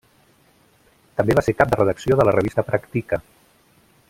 També va ser cap de redacció de la revista Practica.